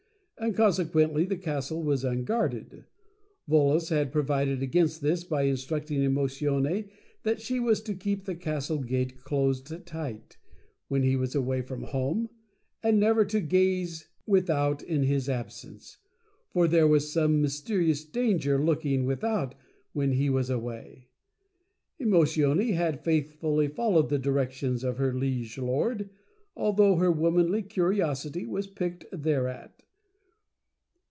And conse quently the Castle was Unguarded. Volos had pro vided against this by instructing Emotione that she was to keep the Castle Gate closed tight, when he was away from home, and never to gaze without in his absence, for there was some mysterious danger lurking without when he was away. Emotione had faithfully followed the directions of her liege lord, although her womanly curiosity was piqued thereat.